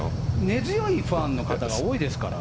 根強いファンの方が多いですから。